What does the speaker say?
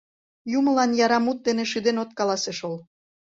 Юмылан яра мут дене шӱден от каласе шол.